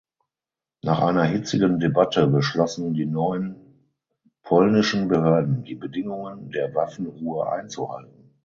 Nach einer hitzigen Debatte beschlossen die neuen polnischen Behörden die Bedingungen der Waffenruhe einzuhalten.